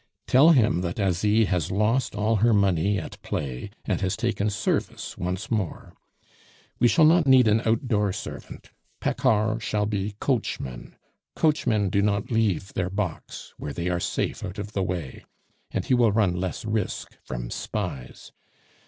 "Tell him that Asie has lost all her money at play, and has taken service once more. We shall not need an outdoor servant. Paccard shall be coachman. Coachmen do not leave their box, where they are safe out of the way; and he will run less risk from spies.